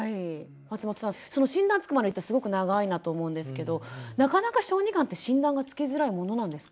松本さんその診断つくまでってすごく長いなと思うんですけどなかなか小児がんって診断がつきづらいものなんですか？